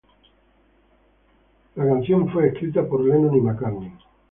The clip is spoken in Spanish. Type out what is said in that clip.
La canción fue escrita por Florence Welch y Paul Epworth.